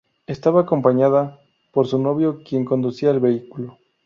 Estaba acompañada por su novio quien conducía el vehículo.